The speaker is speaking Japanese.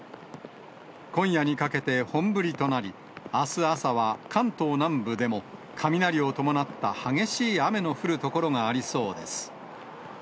今夜にかけて本降りとなり、あす朝は関東南部でも、雷を伴った激しい雨の降る所がありそうです。